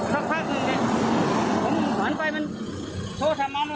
สักพักเลยผมขวัญไปมันโชว์ทำร้อง